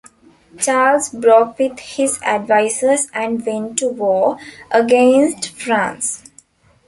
Charles broke with his advisors and went to war against France.